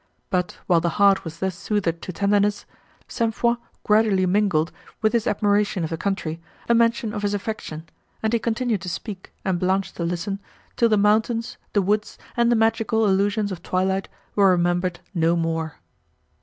But, while the heart was thus soothed to tenderness, St. Foix gradually mingled, with his admiration of the country, a mention of his affection; and he continued to speak, and Blanche to listen, till the mountains, the woods, and the magical illusions of twilight, were remembered no more.